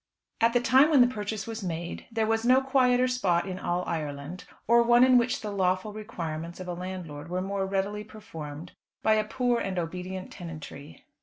At the time when the purchase was made there was no quieter spot in all Ireland, or one in which the lawful requirements of a landlord were more readily performed by a poor and obedient tenantry.